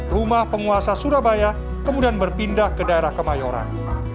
rumah penguasa surabaya kemudian berpindah ke daerah kemayoran